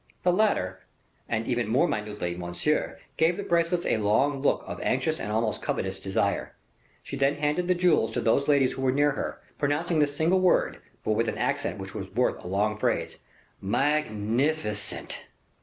The latter, and even more minutely, Monsieur, gave the bracelets a long look of anxious and almost covetous desire. She then handed the jewels to those ladies who were near her, pronouncing this single word, but with an accent which was worth a long phrase, "Magnificent!"